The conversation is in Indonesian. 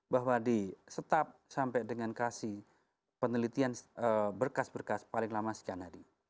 bahwa di staf sampai dengan kasi penelitian berkas berkas paling lama sekian hari